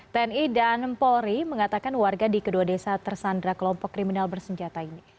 tni dan polri mengatakan warga di kedua desa tersandra kelompok kriminal bersenjata ini